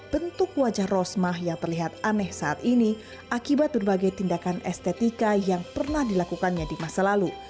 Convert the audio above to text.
bentuk wajah rosmah yang terlihat aneh saat ini akibat berbagai tindakan estetika yang pernah dilakukannya di masa lalu